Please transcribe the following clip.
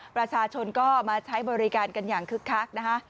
ประชาชนก็มาใช้บริการกันอย่างคึกคักนะคะ